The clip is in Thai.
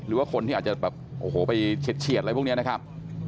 หรือว่าคนที่อาจจะแบบโอ้โหไปเฉียดอะไรพวกนี้นะครับ